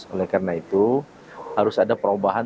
oleh karena itu harus ada perubahan